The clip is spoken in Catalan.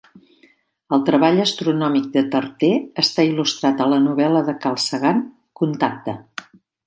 El treball astronòmic de Tarter està il·lustrat a la novel·la de Carl Sagan "Contacte".